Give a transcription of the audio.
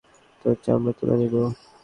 তোর চামড়া তুলে নিব।